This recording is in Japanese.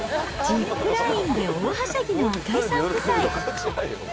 ジップラインで大はしゃぎの赤井さん夫妻。